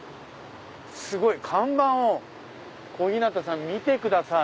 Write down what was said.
すごい！看板を小日向さん見てください。